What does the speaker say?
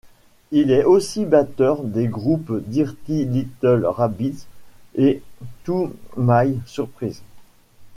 Il est aussi batteur des groupes Dirty Little Rabbits et To My Surprise.